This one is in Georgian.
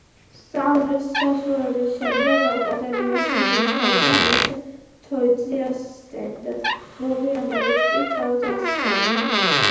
სწავლის დასრულების შემდეგ აკადემიაში მუშაობდა მოსე თოიძის ასისტენტად, მოგვიანებით კი თავად ასწავლიდა.